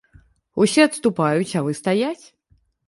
Усе адступаюць, а вы стаяць?